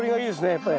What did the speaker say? やっぱり。